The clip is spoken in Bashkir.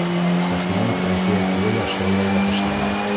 Сәхнәнән Әлфиә килә лә Шәүрәгә ташлана.